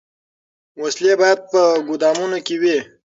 وسلې باید په ګودامونو کي وي.